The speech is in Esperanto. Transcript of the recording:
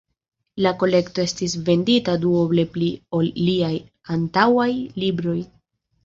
La kolekto estis vendita duoble pli ol liaj antaŭaj libroj.